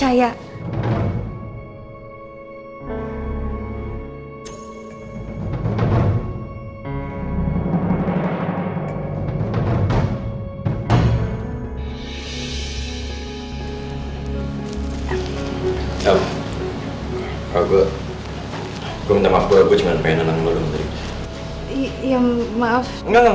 aku akan menangis